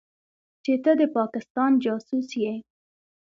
چې ته د پاکستان جاسوس يې.